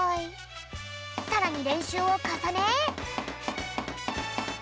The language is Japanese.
さらにれんしゅうをかさね。